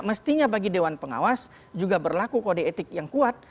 mestinya bagi dewan pengawas juga berlaku kode etik yang kuat